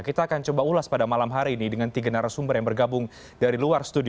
kita akan coba ulas pada malam hari ini dengan tiga narasumber yang bergabung dari luar studio